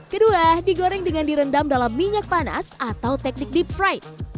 kedua digoreng dengan direndam dalam minyak panas atau teknik deep fright